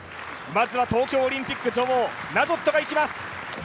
まずは東京オリンピック女王・ナジョットがいきます。